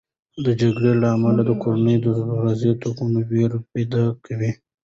د جګړې له امله د کور د دروازې ټکول وېره پیدا کوي.